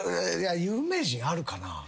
有名人あるかな？